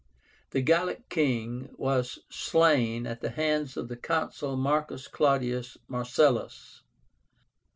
The Gallic king was slain at the hands of the Consul MARCUS CLAUDIUS MARCELLUS.